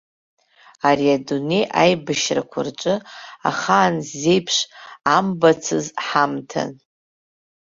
Ари адунеи аибашьрақәа рҿы ахаан зеиԥш амбацыз ҳамҭан.